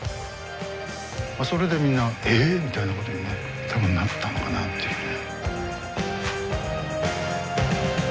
それでみんな「えっ？」みたいなことにね多分なったのかなっていうね。